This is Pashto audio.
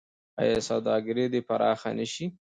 آیا سوداګري دې پراخه نشي؟